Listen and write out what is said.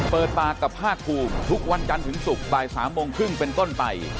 เปิดปากกับภาคภูมิทุกวันจันทร์ถึงศุกร์บ่าย๓โมงครึ่งเป็นต้นไป